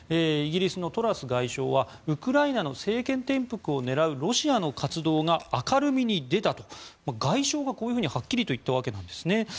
イギリスのトラス外相はウクライナの政権転覆を狙うロシアの活動が明るみに出たと外相がこういうふうにはっきりと言ったわけなんですね。